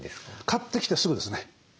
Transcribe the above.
買ってきてすぐですね。